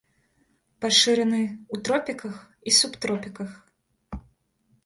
Пашыраны ў тропіках і субтропіках.